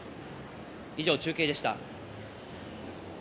以上、中継でした。